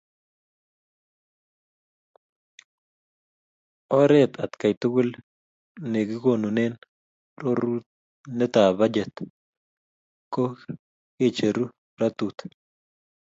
oret atkai tugul nekikonunen rorunetab bajet ko kecheru rotut